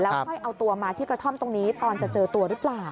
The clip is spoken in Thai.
ค่อยเอาตัวมาที่กระท่อมตรงนี้ตอนจะเจอตัวหรือเปล่า